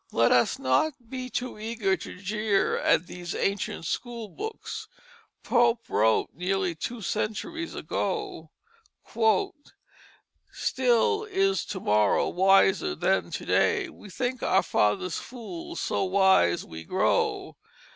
Let us not be too eager to jeer at these ancient school books. Pope wrote nearly two centuries ago: "Still is to morrow wiser than to day We think our fathers fools so wise we grow.